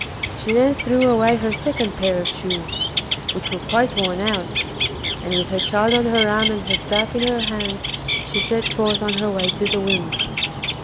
She then threw away her second pair of shoes, which were quite worn out, and with her child on her arm and her staff in her hand, she set forth on her way to the Wind.